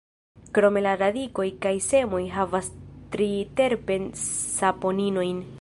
Krome la radikoj kaj semoj havas triterpen-saponinojn.